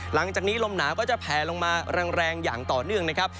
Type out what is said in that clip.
หลังจากนี้ลมหนาวก็จะแผลลงมาแรงอย่างต่อเนื่องนะครับ